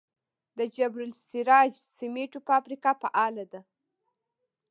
د جبل السراج سمنټو فابریکه فعاله ده؟